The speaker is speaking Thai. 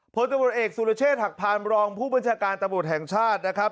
พลตำรวจเอกสุรเชษฐหักพานรองผู้บัญชาการตำรวจแห่งชาตินะครับ